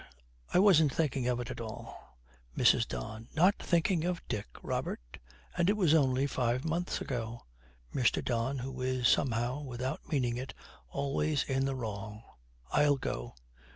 I wasn't thinking of it at all.' MRS. DON. 'Not thinking of Dick, Robert? And it was only five months ago!' MR. DON, who is somehow, without meaning it, always in the wrong, 'I'll go.'